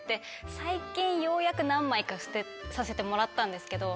最近ようやく何枚か捨てさせてもらったんですけど。